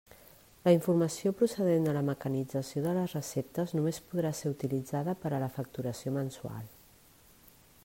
La informació procedent de la mecanització de les receptes només podrà ser utilitzada per a la facturació mensual.